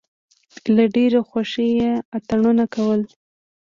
له ډېرې خوښۍ یې اتڼونه کول.